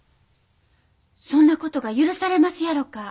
そんなことが許されますやろか？